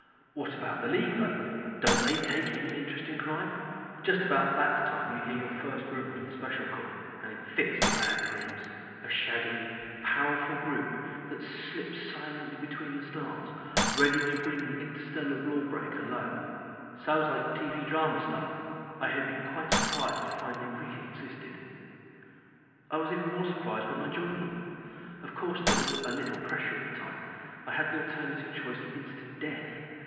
What about the League though? Don't they take any interest in crime? Just about that time you hear your first rumor of the Special Corps and it fits the bad dreams. A shadowy, powerful group that slip silently between the stars, ready to bring the interstellar lawbreaker low. Sounds like TV drama stuff. I had been quite surprised to find they really existed. I was even more surprised when I joined them. Of course there was a little pressure at the time. I had the alternative choice of instant death.